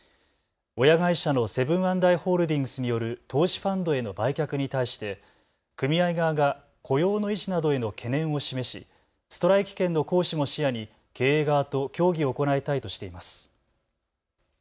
親会社のセブン＆アイ・ホールディングスによる投資ファンドへの売却に対して組合側が雇用の維持などへの懸念を示しストライキ権の行使も視野に経営側と協議を行いたいとしています。